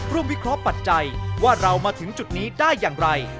วิเคราะห์ปัจจัยว่าเรามาถึงจุดนี้ได้อย่างไร